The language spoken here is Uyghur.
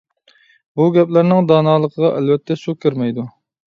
بۇ گەپلەرنىڭ دانالىقىغا ئەلۋەتتە سۇ كىرمەيدۇ.